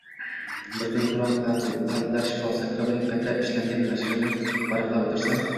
Bir kuni “Qur’on – qalblar shifosi” kitobining qayta ishlangan nashrini varaqlab o‘tirsam